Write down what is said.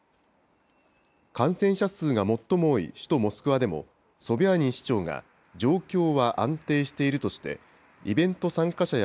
感染者数が最も多い首都モスクワでも、ソビャーニン市長が状況は安定しているとして、イベント参加者や